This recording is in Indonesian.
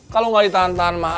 kalau gak ditantan mah